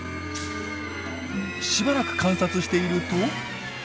しばらく観察していると。